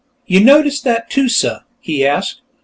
"Yo' notice dat, too, suh?" he asked.